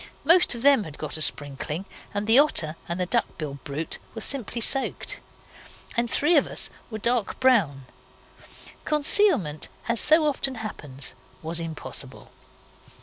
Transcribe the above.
Most of them had got a sprinkling, and the otter and the duck bill brute were simply soaked. And three of us were dark brown. Concealment, as so often happens, was impossible.